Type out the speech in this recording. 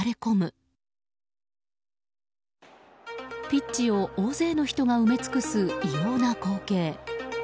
ピッチを、大勢の人が埋め尽くす異様な光景。